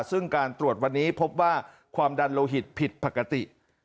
ซึ่งการตรวจวันนี้พบว่าความดันโลหิตผิดปกติ